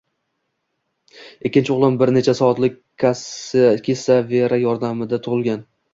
Ikkinchi o‘g‘lim bir necha soatlik kesareva yordamida tug‘ilgan.